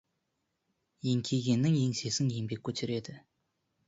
Еңкейгеннің еңсесін еңбек көтереді.